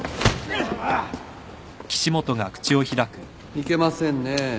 いけませんね